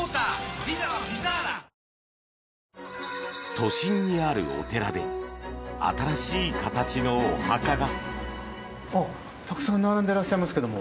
都心にあるお寺で新しい形のお墓が！